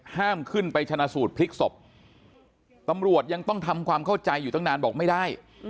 ห้ามขึ้นไปชนะสูตรพลิกศพตำรวจยังต้องทำความเข้าใจอยู่ตั้งนานบอกไม่ได้